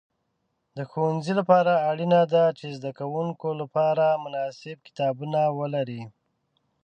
د ښوونځي لپاره اړینه ده چې د زده کوونکو لپاره مناسب کتابونه ولري.